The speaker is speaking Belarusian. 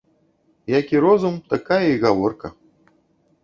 Які розум, такая і гаворка